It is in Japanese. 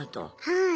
はい。